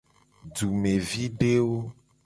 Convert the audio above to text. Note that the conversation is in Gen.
Dumevidewo.